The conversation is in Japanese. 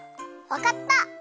わかった！